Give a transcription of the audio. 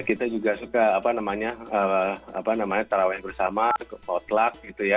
kita suka apa namanya apa namanya trawe bersama hotluck gitu ya